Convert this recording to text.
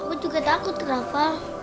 aku juga takut rafa